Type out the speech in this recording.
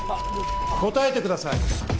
答えてください！